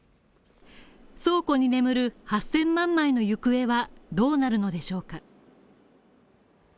倉庫に眠る８０００万枚の行方はどうなるのでしょうか？